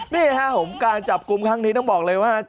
นี่ครับผมการจับกลุ่มครั้งนี้ต้องบอกเลยว่า